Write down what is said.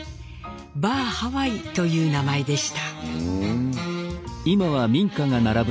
「バー・ハワイ」という名前でした。